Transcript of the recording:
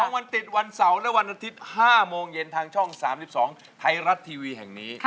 วันติดวันเสาร์และวันอาทิตย์๕โมงเย็นทางช่อง๓๒ไทยรัฐทีวีแห่งนี้